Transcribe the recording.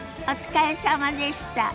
お疲れさまでした。